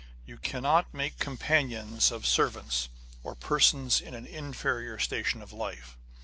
You cannot make companions of servants, or persons in an inferior station in life.